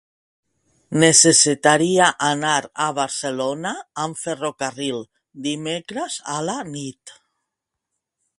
Necessitaria anar a Barcelona amb ferrocarril dimecres a la nit.